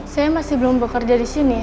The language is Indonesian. saya masih belum bekerja di sini